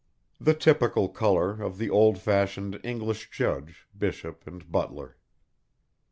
The typical colour of the old fashioned English Judge, Bishop, and Butler.